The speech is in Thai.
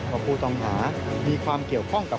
ประภูตอมฐามีความเกี่ยวข้องกับ